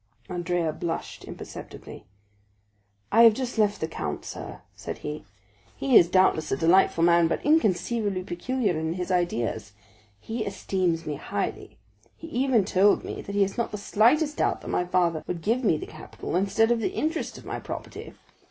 Andrea blushed imperceptibly. "I have just left the count, sir," said he; "he is, doubtless, a delightful man but inconceivably peculiar in his ideas. He esteems me highly. He even told me he had not the slightest doubt that my father would give me the capital instead of the interest of my property.